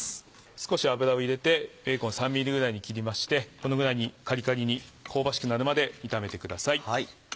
少し油を入れてベーコンを３ｍｍぐらいに切りましてこのぐらいにカリカリに香ばしくなるまで炒めてください。